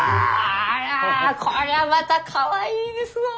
ありゃこりゃあまたかわいいですのう！